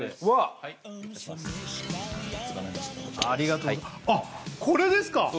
あっこれですか？